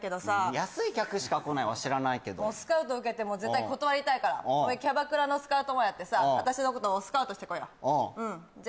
安い客しか来ないは知らないけどスカウト受けても絶対断りたいからおうお前キャバクラのスカウトマンやってさ私のことスカウトしてこいようんあ